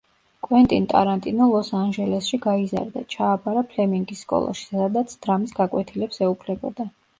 კვენტინ ტარანტინო ლოს-ანჟელესში გაიზარდა, ჩააბარა ფლემინგის სკოლაში, სადაც დრამის გაკვეთილებს ეუფლებოდა.